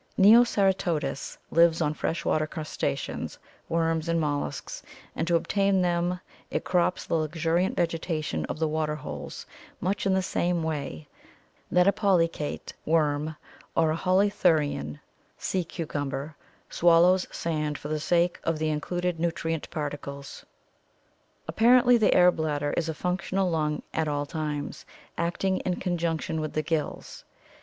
Neoceratodus lives on fresh water crustaceans, worms, and molluscs, and to obtain them it crops the luxuriant vegetation of the water holes much in the same way that a poly chaet [worm] or a holothurian [sea cucumberj swallows sand for the sake of the included nutrient particles. Apparently the air bladder is a functional lung at all times, acting in conjunction with the gills.